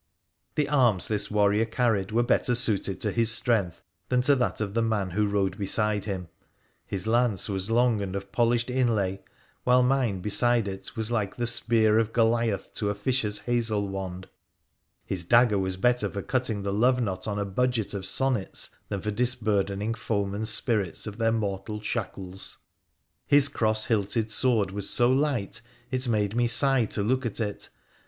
The arms this warrior carried were better suited to his strength than to that of the man who rode beside him. His lance was long and of polished inlay, while mine beside it was like the spear of Goliath to a fisher's hazel wand. His dagger was better for cutting the love knot on a budget of sonnets PI1RA THE PHCEN1CIAN 165 khan for disburdening foemen's spirits of their mortal shackles. His cross hilted sword was so light it made me sigh to look at it.